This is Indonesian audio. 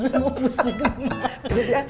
temen gue pusing mak